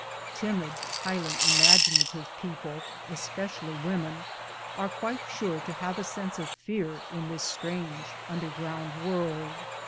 Timid, highly imaginative people, es pecially women, are quite sure to have a sense of fear in this strange underground world.